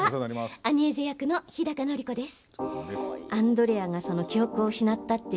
アニェーゼ役の日高のり子です。